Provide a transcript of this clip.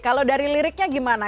kalau dari liriknya gimana